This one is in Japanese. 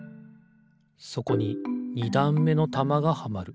そこに２だんめのたまがはまる。